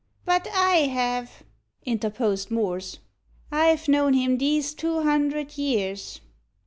"But I have," interposed Morse. "I've known him these two hundred years."